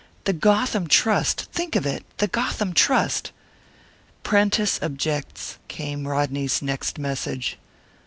The Gotham Trust! Think of it! the Gotham Trust!" "Prentice objects," came Rodney's next message.